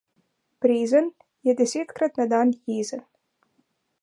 Brezen je desetkrat na dan jezen.